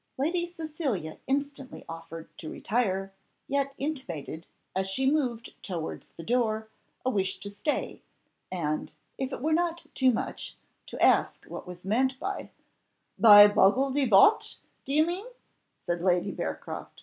Lady Cecilia instantly offered to retire, yet intimated, as she moved towards the door, a wish to stay, and, if it were not too much, to ask what was meant by "By boggle de botch, do you mean?" said Lady Bearcroft.